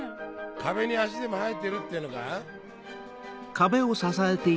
壁に足でも生えてるってのか？